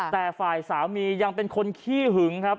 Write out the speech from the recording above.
แต่ฝ่ายสามียังเป็นคนขี้หึงครับ